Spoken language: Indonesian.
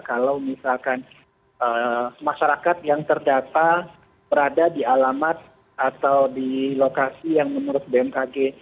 kalau misalkan masyarakat yang terdata berada di alamat atau di lokasi yang menurut bmkg